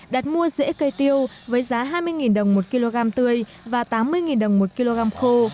đặt mua rễ cây tiêu với giá hai mươi đồng một kg tươi và tám mươi đồng một kg khô